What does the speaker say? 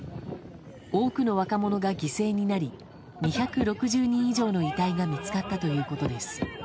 多くの若者が犠牲になり２６０人以上の遺体が見つかったということです。